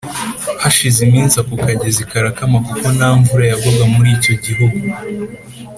Hashize iminsi ako kagezi karakama kuko nta mvura yagwaga muri icyo gihugu